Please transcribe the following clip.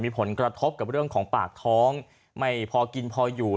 มีผลกระทบกับเรื่องของปากท้องไม่พอกินพออยู่